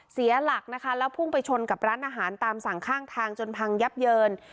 เสียหลักนะคะแล้วพุ่งไปชนกับร้านอาหารตามสั่งข้างทางจนพังยับเยิน